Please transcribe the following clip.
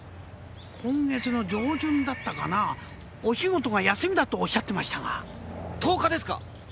今月の上旬だったかなお仕事が休みだとおっしゃってましたが１０日ですか？